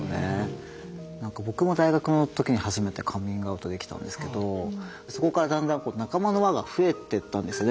僕も大学の時に初めてカミングアウトできたんですけどそこからだんだん仲間の輪が増えてったんですね